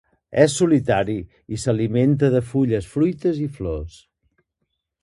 És solitari i s'alimenta de fulles, fruites i flors.